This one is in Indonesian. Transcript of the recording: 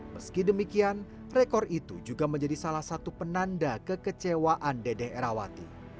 meski demikian rekor itu juga menjadi salah satu penanda kekecewaan dede erawati